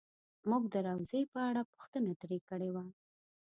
مونږ د روضې په اړه پوښتنه ترې کړې وه.